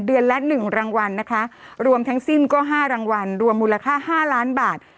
ละหนึ่งรางวัลนะคะรวมทั้งสิ้นก็๕รางวัลรวมมูลค่า๕ล้านบาท